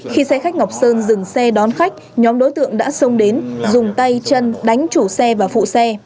khi xe khách ngọc sơn dừng xe đón khách nhóm đối tượng đã xông đến dùng tay chân đánh chủ xe và phụ xe